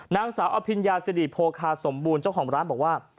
นางสาวอภิญญาสิริโภคาสมบูรณ์เจ้าของร้านบอกว่า